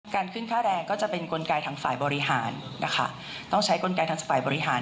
ขึ้นค่าแรงก็จะเป็นกลไกทางฝ่ายบริหารนะคะต้องใช้กลไกทางฝ่ายบริหาร